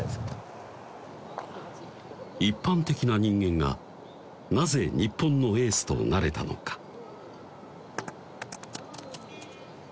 一般的な人間がなぜ日本のエースとなれたのか？